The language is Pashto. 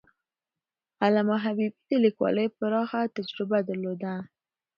علامه حبيبي د لیکوالۍ پراخه تجربه درلوده.